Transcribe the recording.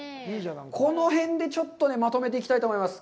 この辺でちょっとまとめていきたいと思います。